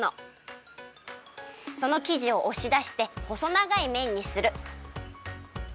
そのきじをおしだしてほそながいめんにする。